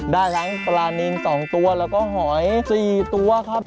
ได้ทั้งปลานิน๒ตัวแล้วก็หอย๔ตัวครับ